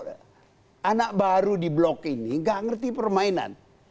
anak baru di blok ini tidak mengerti permainan